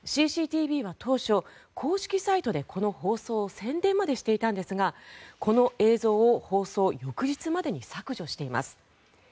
ＣＣＴＶは当初、公式サイトでこの放送を宣伝までしていたんですがこの映像を放送翌日までに削除しています。